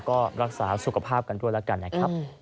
ก็รักษาสุขภาพกันด้วยแล้วกันนะครับ